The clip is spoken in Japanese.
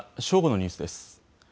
正午のニュースです。